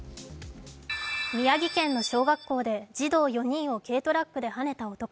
宮城県の小学校で児童４人を軽トラックではねた男。